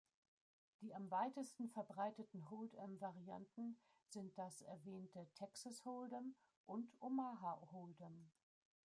Die am weitesten verbreiteten Hold’em-Varianten sind das erwähnte "Texas Hold’em" und "Omaha Hold’em".